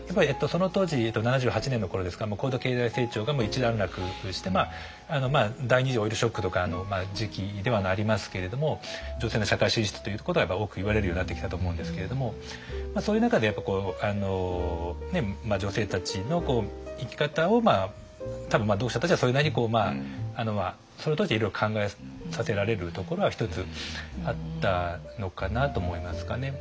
その当時７８年の頃ですから高度経済成長が一段落して第２次オイルショックとかの時期ではありますけれども女性の社会進出ということが多く言われるようになってきたと思うんですけれどもそういう中で女性たちの生き方を多分読者たちはそれなりにそれを通していろいろ考えさせられるところは一つあったのかなと思いますかね。